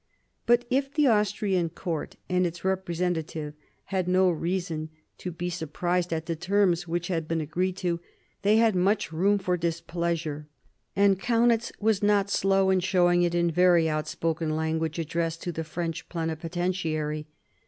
But if the Austrian court and its representative had no reason to be surprised at the terms which had been agreed to, they had much room for displeasure, and Kaunitz was not slow in showing it in very out spoken language addressed to the French plenipotentiary.